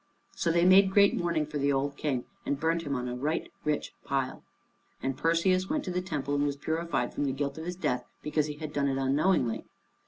So they made great mourning for the old King, and burnt him on a right rich pile. And Perseus went to the temple and was purified from the guilt of his death, because he had done it unknowingly.